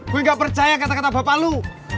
gue gak percaya kata kata bapak lu